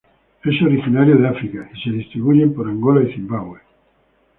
Es originario de África y se distribuyen por Angola y Zimbabue.